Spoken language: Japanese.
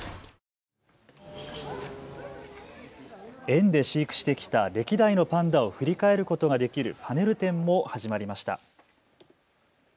園で飼育してきた歴代のパンダを振り返ることができるパネル展も始まりました。